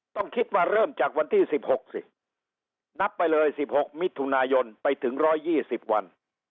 ต้องคิดว่าเริ่มจากวันที่๑๖สินับไปเลย๑๖มิถุนายนไปถึง๑๒๐วัน